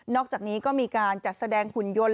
อกจากนี้ก็มีการจัดแสดงหุ่นยนต์